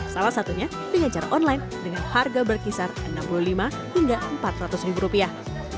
salah satunya dengan cara online dengan harga berkisar enam puluh lima hingga empat ratus ribu rupiah